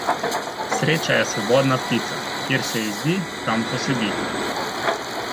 Sreča je svobodna ptica; kjer se ji zdi, tam posedi.